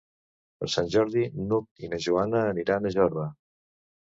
Per Sant Jordi n'Hug i na Joana aniran a Jorba.